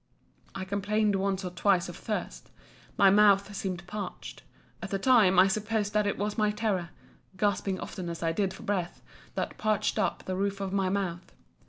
I complained once or twice of thirst. My mouth seemed parched. At the time, I supposed that it was my terror (gasping often as I did for breath) that parched up the roof of my mouth.